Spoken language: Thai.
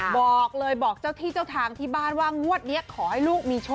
ต้องไปหาตัวแม่ถึงบ้านเลยคุณผู้ชมค่ะ